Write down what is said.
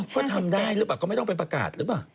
ก็ทำได้หรือเปล่าก็ไม่ต้องไปประกาศหรือเปล่า